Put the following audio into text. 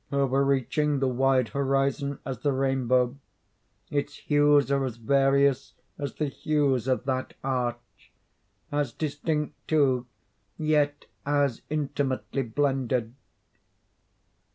Overreaching the wide horizon as the rainbow, its hues are as various as the hues of that arch—as distinct too, yet as intimately blended.